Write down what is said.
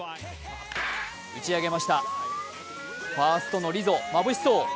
打ち上げましたファーストのリゾ、まぶしそう。